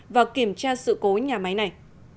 và kiểm tra sự cố nhà máy này